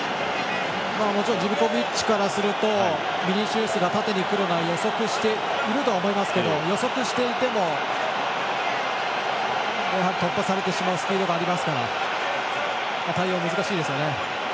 もちろんビニシウスが縦にくるのは予測しているとは思いますが予測していても突破されてしまうスピードがありますから対応が難しいですね。